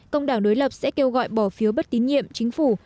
công đảng đối lập sẽ kêu gọi bỏ phiếu bất tín nhiệm chính phủ